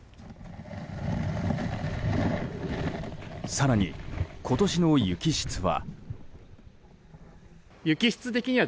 更に、今年の雪質は。